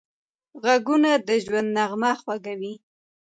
غوږونه د ژوند نغمه خوښوي